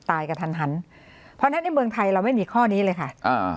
กระทันหันเพราะฉะนั้นในเมืองไทยเราไม่มีข้อนี้เลยค่ะอ่า